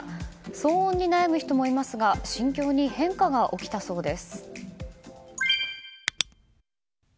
騒音に悩む人もいますが心境に変化が起きたそうです。